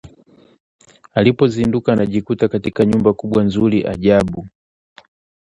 Alipozinduka anajikuta katika nyumba kubwa nzuri ajabu